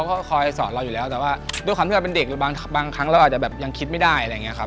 พ่อจะสอนเราอยู่แล้วแต่ว่าด้วยความที่เราเป็นเด็กบางครั้งเราอาจจะยังคิดไม่ได้